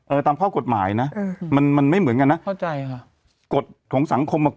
ตามข้อกฎหมายนะเออมันมันไม่เหมือนกันนะเข้าใจค่ะกฎของสังคมอ่ะ